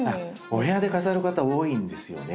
お部屋で飾る方多いんですよね。